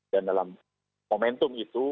dan dalam momentum itu